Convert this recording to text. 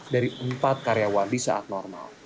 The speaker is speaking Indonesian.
dari empat karyawan di saat normal